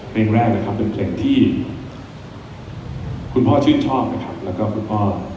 เพลงแรกนะครับเป็นเพลงที่คุณพ่อชื่นชอบนะครับแล้วก็คุณพ่อ